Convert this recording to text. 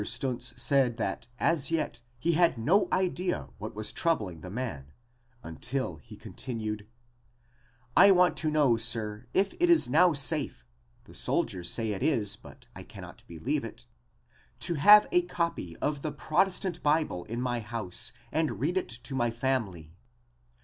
Stuntz said that as yet he had no idea what was troubling the man until he continued: "I want to know, sir, if it is now safe the soldiers say it is, but I cannot believe it to have a copy of the Protestant Bible in my house and read it to my family?"